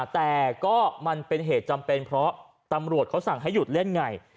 แต่ก็มันเป็นเหตุจำเป็นเพราะตำรวจเขาสั่งให้หยุดเล่นไง